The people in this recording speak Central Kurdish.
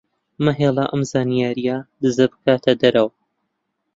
مەهێڵە ئەم زانیارییە دزە بکاتە دەرەوە.